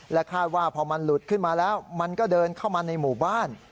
คาดว่าพอมันหลุดขึ้นมาแล้วมันก็เดินเข้ามาในหมู่บ้าน